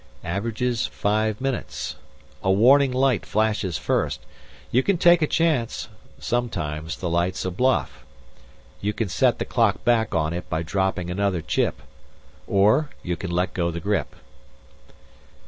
Averages five minutes. A warning light flashes first. You can take a chance; sometimes the light's a bluff. You can set the clock back on it by dropping another chip or you can let go the grip."